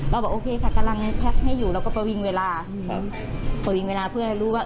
บอกโอเคค่ะกำลังแพ็คให้อยู่เราก็ประวิงเวลาประวิงเวลาเพื่อให้รู้ว่า